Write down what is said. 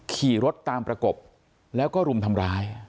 ขี่รถตามประกบแล้วก็รุมทำร้าย